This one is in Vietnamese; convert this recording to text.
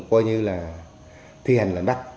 coi như là thi hành lệnh bắt